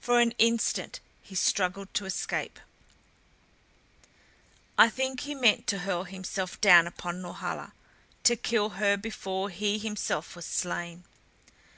For an instant he struggled to escape; I think he meant to hurl himself down upon Norhala, to kill her before he himself was slain.